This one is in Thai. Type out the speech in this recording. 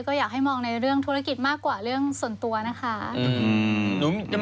ก็อยากให้มองในเรื่องธุรกิจมากกว่าเรื่องส่วนตัวนะคะ